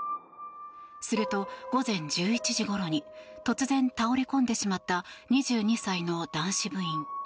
すると午前１１時ごろに突然、倒れ込んでしまった２２歳の男子部員。